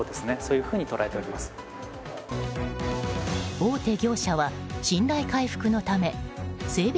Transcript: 大手業者は信頼回復のため整備